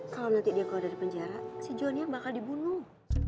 kalo nanti dia kodol dari penjara si jonyang bakal dibunuh